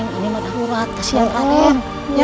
engga ini mana murad kasihan raden